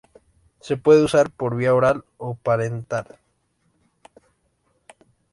Se puede usar por vía oral o parenteral.